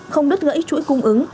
không đứt gãy chuỗi cung ứng